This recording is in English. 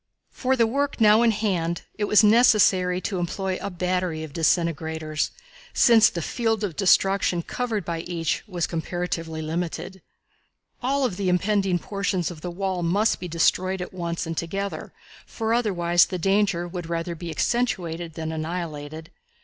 For the work now in hand it was necessary to employ a battery of disintegrators, since the field of destruction covered by each was comparatively limited. All of the impending portions of the wall must be destroyed at once and together, for otherwise the danger would rather be accentuated than annihilated.